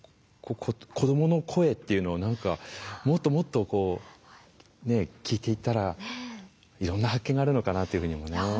子どもの声っていうのを何かもっともっとこうねっ聞いていったらいろんな発見があるのかなというふうにもね。